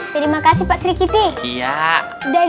terima kasih pak sri kiti